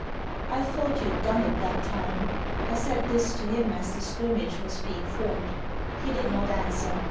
" I thought you'd done it that time." I said this to him as the scrimmage was being formed. He did not answer.